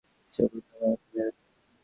সে প্রথম আমাকে মেরেছে।